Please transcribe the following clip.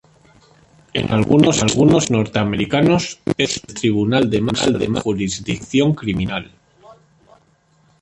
En algunos estados norteamericanos, es el tribunal de más alta jurisdicción criminal.